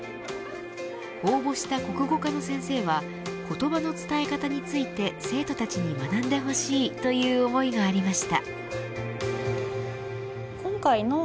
応募した国語科の先生は言葉の伝え方について生徒たちに学んでほしいという思いがありました。